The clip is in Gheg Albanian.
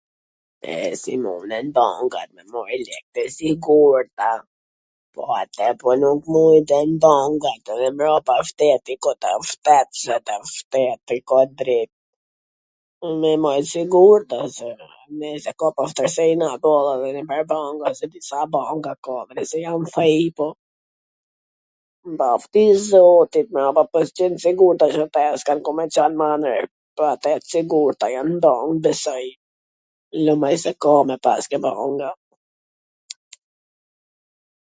E, si munen bankat me majt lekt e sigurta! Po ata pwr nwnt muj... edhe shteti a mrapa, shtet... shteti ka t drejt ... me i majt sigurta se ... sa banka ka .... lum ai se ka me pas ke banga ...